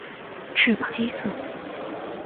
翅膀黑色。